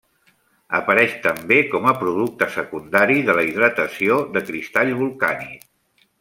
Apareix també com a producte secundari de la hidratació de cristall volcànic.